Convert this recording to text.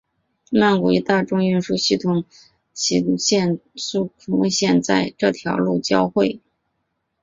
曼谷大众运输系统席隆线和苏坤蔚线在这条路交会。